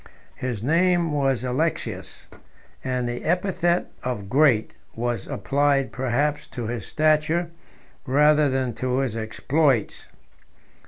His name was Alexius; and the epithet of great 201 was applied perhaps to his stature, rather than to his exploits.